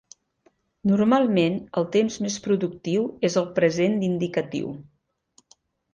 Normalment, el temps més productiu és el present d'indicatiu.